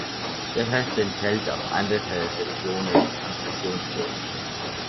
Der Rest entfällt auf andere Religionen und Konfessionslose.